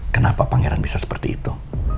kenapa pangeran bisa seperti itu